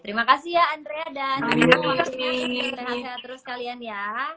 terima kasih ya andrea dan gany